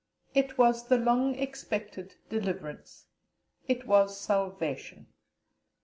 It was the long expected deliverance, it was salvation!